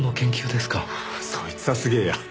そいつはすげえや。